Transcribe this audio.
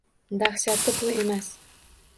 Dahshati bu emas